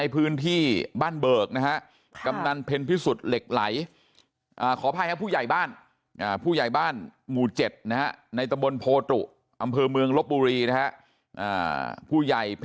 ผู้ใหญ่เพ้นพิสุทธิ์เหล็กไหลไปเจอหน้ากากนี้นะฮะ